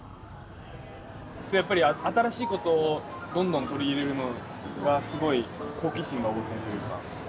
やっぱり新しいことをどんどん取り入れるのがすごい好奇心が旺盛というか。